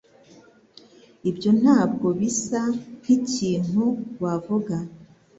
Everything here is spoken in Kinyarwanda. Ibyo ntabwo bisa nkikintu wavuga.